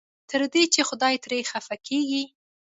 تر دې چې خدای ترې خفه کېږي.